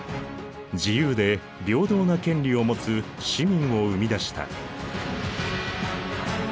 自由で平等な権利を持つ市民を生み出した。